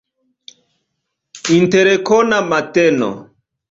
Interkona mateno.